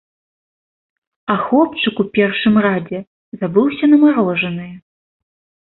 А хлопчык у першым радзе забыўся на марожанае.